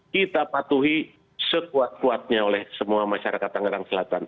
kita patuhi sekuat kuatnya oleh semua masyarakat tangerang selatan